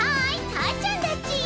たーちゃんだち。